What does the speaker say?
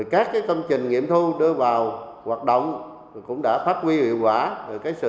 các công trình nghiệm thu đưa vào hoạt động cũng đã phát huy hiệu quả sự